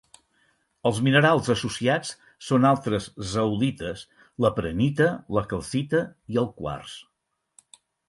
Els minerals associats són altres zeolites, la prehnita, la calcita i el quars.